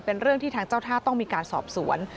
เป็นเรื่องที่ทางเจ้าท่าต้องมีการสอบสวน